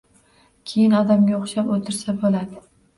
Keyin odamga o’xshab o’tirsa bo’ladi